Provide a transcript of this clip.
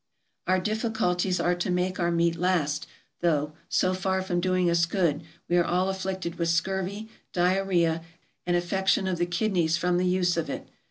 Our difficulties are to make our meat last, though, so far from doing us good, we are all afflicted with scurvy, diarrhoea, and affection of the kidneys from the use of it.